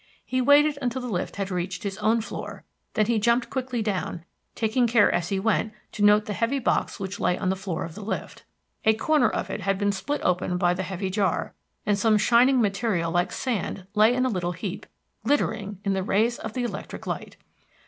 He waited till the lift had reached his own floor; then he jumped quickly down, taking care as he went to note the heavy box which lay on the floor of the lift. A corner of it had been split open by the heavy jar, and some shining material like sand lay in a little heap, glittering in the rays of the electric light.